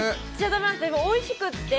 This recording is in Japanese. おいしくて。